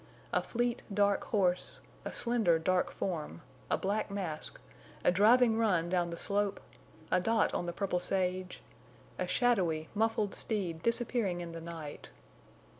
A fleet, dark horse—a slender, dark form—a black mask—a driving run down the slope—a dot on the purple sage—a shadowy, muffled steed disappearing in the night!